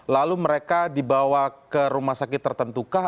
lalu mereka dibawa ke rumah sakit tertentu kah